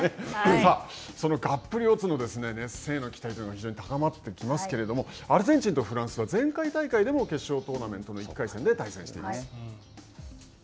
さあ、そのがっぷり四つの熱戦への期待が非常に高まってきますけれどもアルゼンチンとフランスは前回大会でも決勝トーナメントの１回戦で対戦しています。